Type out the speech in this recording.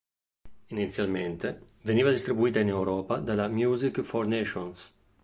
Inizialmente, veniva distribuita in Europa dalla Music for Nations.